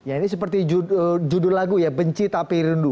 ya ini seperti judul lagu ya benci tapi rindu